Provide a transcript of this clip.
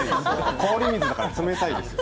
氷水だから冷たいですよ。